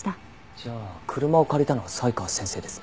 じゃあ車を借りたのは才川先生ですね。